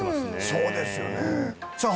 そうですよねさあ